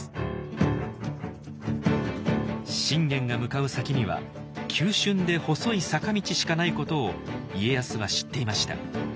信玄が向かう先には急峻で細い坂道しかないことを家康は知っていました。